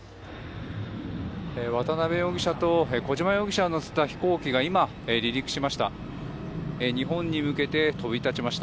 渡邉容疑者と小島容疑者を乗せた飛行機が今、離陸しました。